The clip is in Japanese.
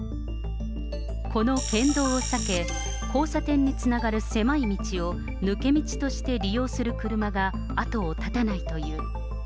この県道を避け、交差点につながる狭い道を抜け道として利用する車が後を絶たないという。